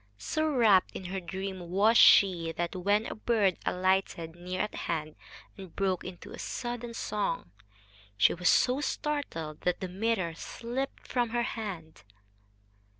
So rapt in her dream was she that, when a bird alighted near at hand and broke into sudden song, she was so startled that the mirror slipped from her hand.